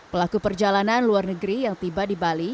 pelaku perjalanan luar negeri yang tiba di bali